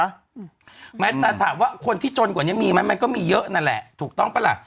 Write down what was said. แม้แต่ถามว่าคนที่จนกว่านี้มีไหมมันก็มีเยอะนั่นแหละถูกต้องปะล่ะ